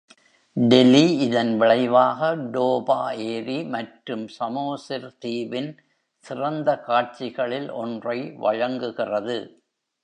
டெலி இதன் விளைவாக டோபா ஏரி மற்றும் சமோசிர் தீவின் சிறந்த காட்சிகளில் ஒன்றை வழங்குகிறது.